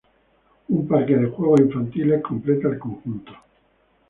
Un parque de juegos infantiles completa el conjunto.